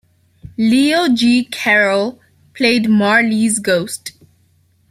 Leo G. Carroll played Marley's Ghost.